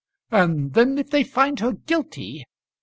"And then if they find her guilty!